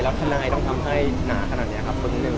แล้วธนายต้องทำให้หนาขนาดนี้ครับ